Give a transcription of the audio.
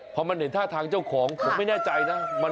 พอมันเห็นท่าทางเจ้าของผมไม่แน่ใจนะ